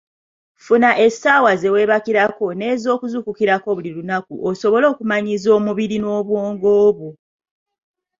Funa essaawa zeweebakirako n'ezokuzuukukirako buli lunaku osobole okumanyiiza omubiri n'obwongo bwo.